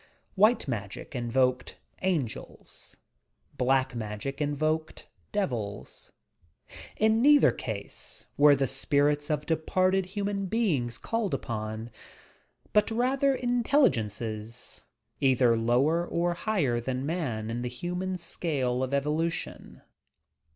White Magic invoked "angels"; Black Magic invoked "devils." In neither case were the spirits of departed human beings called 300 PERVERTED USES OP SPIRITUALISM 30t upon, — but rather intelligences, either lower or higher than man in the human scale of evolution.